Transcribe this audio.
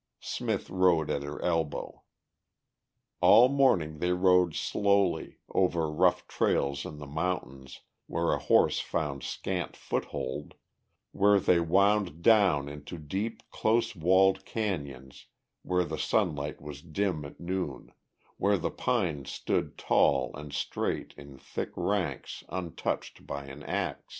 Smith rode at her elbow. All morning they rode slowly, over rough trails in the mountains where a horse found scant foothold, where they wound down into deep, close walled canyons where the sunlight was dim at noon, where the pines stood tall and straight in thick ranks untouched by an ax.